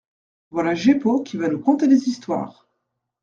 Voilà Jeppo qui va nous conter des histoires !